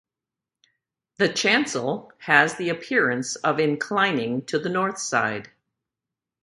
The chancel has the appearance of inclining to the north side.